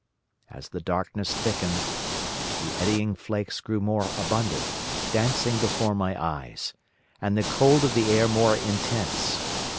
As the darkness thickened, the eddying flakes grew more abundant, dancing before my eyes; and the cold of the air more intense.